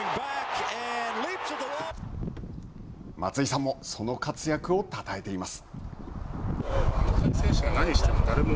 松井さんもその活躍をたたえています。